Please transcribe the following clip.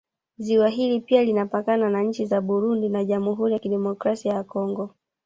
Ziwa hili pia linapakana na nchi za Burundi na jamhuri ya Kidemokrasia ya Congo